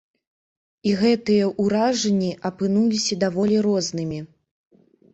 І гэтыя ўражанні апынуліся даволі рознымі.